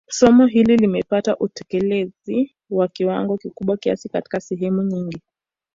Somo hili limepata utekelezi wa kiwango kikubwa kiasi katika sehemu nyingi